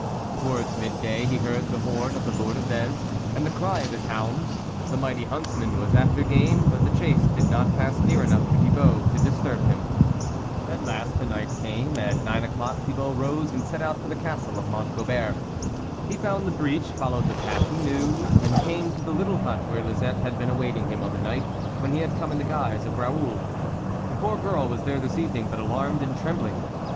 Towards mid day, he heard the horn of the Lord of Vez, and the cry of his hounds ; the mighty hunts man was after game, but the chase did not pass near enough to Thibault to dis turb him. At last the night came. At nine o'clock Thibault rose and set out for the Castle ol Mont Gobert. He found the breach, followed the path he knew, and came to the little hut where Lisette had been awaiting him on the night when he had come in the guise of Raoul. The poor girl was there this evening, but alarmed and trembling.